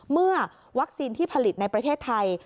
เมื่อวัคซีนที่ผลิตในประเทศไทย